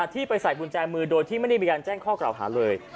ที่ไปใส่กุญแจมือโดยที่ไม่ได้มีการแจ้งข้อกล่าวหาเลย